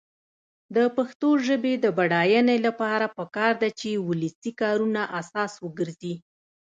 د پښتو ژبې د بډاینې لپاره پکار ده چې ولسي کارونه اساس وګرځي.